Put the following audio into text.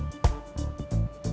gak harus apa apa